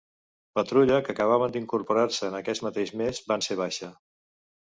Patrulla que acabaven d'incorporar-se en aquest mateix mes van ser baixa.